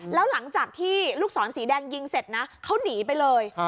แล้วหลังจากที่ลูกศรสีแดงยิงเสร็จนะเขาหนีไปเลย